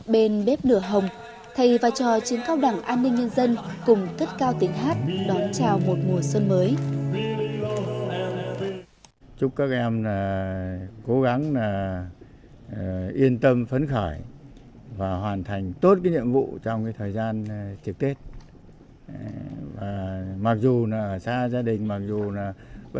bên bếp nửa hồng thầy và trò chiến cao đẳng an ninh nhân dân cùng thất cao tiếng hát đón chào một mùa xuân mới